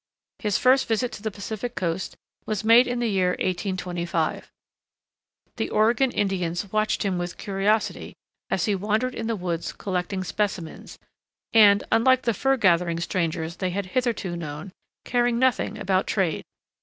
His first visit to the Pacific Coast was made in the year 1825. The Oregon Indians watched him with curiosity as he wandered in the woods collecting specimens, and, unlike the fur gathering strangers they had hitherto known, caring nothing about trade.